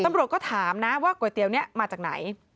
ตำรวจก็ถามนะว่าก๋วยเตี๋ยวนี้มาจากไหน